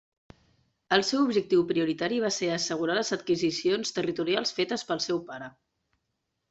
El seu objectiu prioritari va ser assegurar les adquisicions territorials fetes pel seu pare.